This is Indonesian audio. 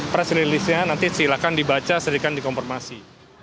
presiden listnya nanti silakan dibaca sedikan dikomformasi